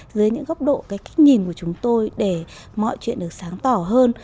dưới những góc độ cái kích nhìn của chúng tôi để mọi chuyện được sáng tỏ hơn